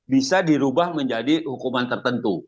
bisa dirubah menjadi hukuman tertentu